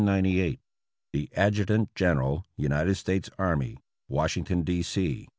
The Adjutant General United States Army, Washington, D. C.